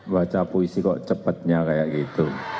baca puisi kok cepetnya kayak gitu